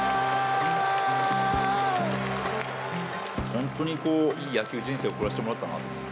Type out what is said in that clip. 本当に、いい野球人生を送らせてもらったなと。